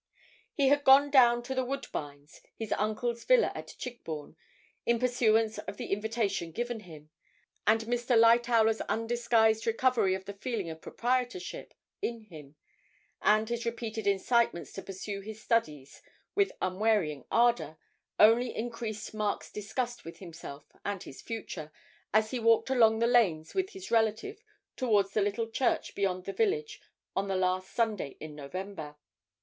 He had gone down to 'The Woodbines,' his uncle's villa at Chigbourne, in pursuance of the invitation given him; and Mr. Lightowler's undisguised recovery of the feeling of proprietorship in him, and his repeated incitements to pursue his studies with unwearying ardour, only increased Mark's disgust with himself and his future, as he walked along the lanes with his relative towards the little church beyond the village on the last Sunday in November.